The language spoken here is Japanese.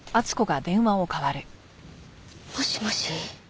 もしもし？